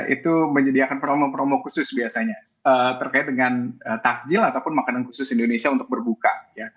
itu menyediakan promo promo khusus biasanya terkait dengan takjil ataupun makanan khusus indonesia untuk berbuka